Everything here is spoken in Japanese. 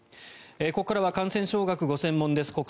ここからは感染症学がご専門です